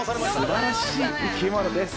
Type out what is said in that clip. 「すばらしい生き物です。